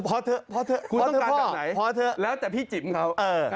เพราะเธอเพราะเธอคุณต้องการแบบไหนเพราะเธอแล้วแต่พี่จิ๋มเขาเออ